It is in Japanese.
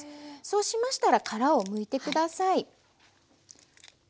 そうしましたら殻をむいて下さい。